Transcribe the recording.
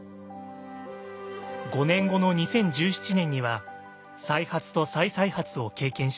５年後の２０１７年には再発と再々発を経験しました。